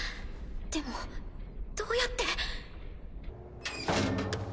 でもどうやって。